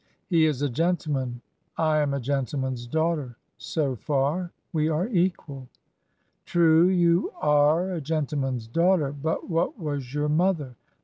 He is a gentleman; I am a gentleman's daughter; so far we are equal/ 'True, you are a gentleman's daughter. But what was your mother?